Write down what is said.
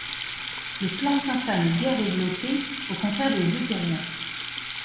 Le placenta n’est guère développé, au contraire des euthériens.